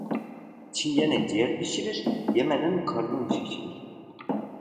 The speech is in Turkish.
Çingene ciğer pişirir, yemeden karnın şişirir.